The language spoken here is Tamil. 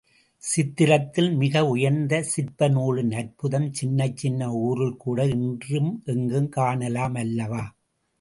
சித்திரத்தில் மிக உயர்ந்த சிற்ப நூலின் அற்புதம் சின்னச் சின்ன ஊரில் கூட இன்றும் எங்கும் காணலாம் அல்லவா?